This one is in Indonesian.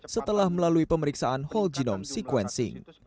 setelah melalui pemeriksaan whole genome sequencing